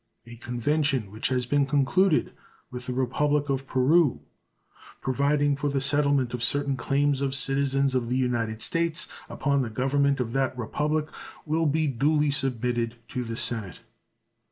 A convention which has been concluded with the Republic of Peru, providing for the settlement of certain claims of citizens of the United States upon the Government of that Republic, will be duly submitted to the Senate.